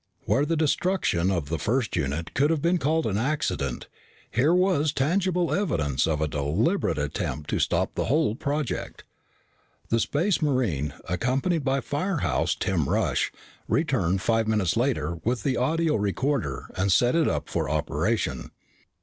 Where the destruction of the first unit could have been called an accident, here was tangible evidence of a deliberate attempt to stop the whole project. The Space Marine, accompanied by Firehouse Tim Rush, returned five minutes later with the audio recorder and set it up for operation.